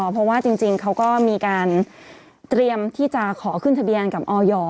เพราะว่าจริงเขาก็มีการเตรียมที่จะขอขึ้นทะเบียนกับออย